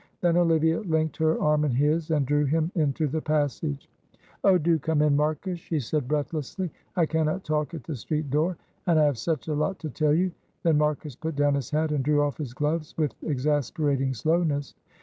Then Olivia linked her arm in his and drew him into the passage. "Oh, do come in, Marcus," she said, breathlessly. "I cannot talk at the street door, and I have such a lot to tell you." Then Marcus put down his hat and drew off his gloves with exasperating slowness.